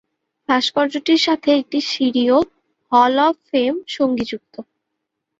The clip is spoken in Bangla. ভাস্কর্যটির সাথে একটি সিঁড়ি ও "হল অব ফেম" সঙ্গিযুক্ত।